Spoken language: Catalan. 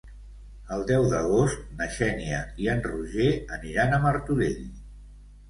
El deu d'agost na Xènia i en Roger aniran a Martorell.